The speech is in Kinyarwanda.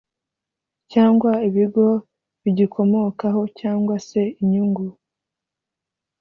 cyangwa ibigo bigikomokaho cyangwa se inyungu